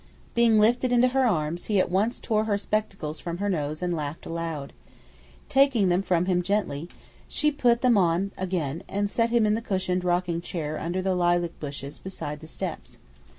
Being lifted into her arms, he at once tore her spectacles from her nose and laughed aloud. Taking them from him gently, she put them on again, and set him in the cushioned rocking chair under the lilac bushes beside the steps.